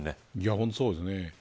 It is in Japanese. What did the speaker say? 本当にそうですね。